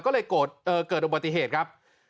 ก็เลยเกิดอุบัติเหตุครับ